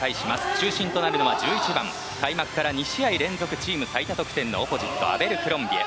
中心となるのは１１番、開幕から２試合連続最多得点のオポジット、アベルクロンビエ。